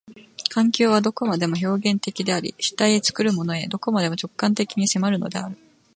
環境はどこまでも表現的であり、主体へ、作るものへ、どこまでも直観的に迫るのである。